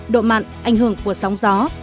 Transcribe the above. độ mặn ảnh hưởng của sóng gió